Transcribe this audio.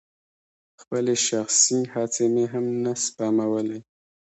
خپلې شخصي هڅې مې هم نه سپمولې.